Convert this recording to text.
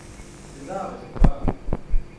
je daaġaśa baa